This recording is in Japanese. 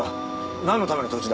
なんのための土地だ？